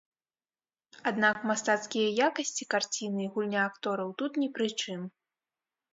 Аднак мастацкія якасці карціны і гульня актораў тут не пры чым.